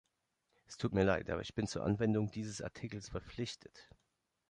Es tut mir Leid, aber ich bin zur Anwendung dieses Artikels verpflichtet.